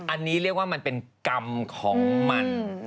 อันนี้เรียกว่ามันเป็นกรรมของมัน